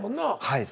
はい。